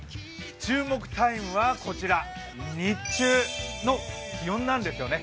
注目タイムはこちら、日中の気温なんですよね。